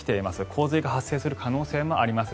洪水が発生する可能性もあります。